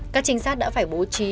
các trinh sát đã phải bố trí